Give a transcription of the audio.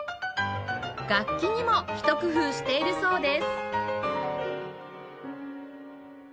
楽器にもひと工夫しているそうです